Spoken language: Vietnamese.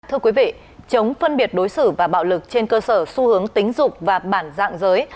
thưa quý vị chống phân biệt đối xử và bạo lực trên cơ sở xu hướng tính dục và bản dạng giới